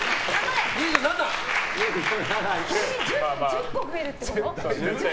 １０個増えるってこと？